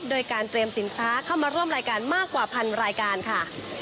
โดยการเตรียมสินค้าเข้ามาร่วมรายการมากกว่าพันรายการค่ะ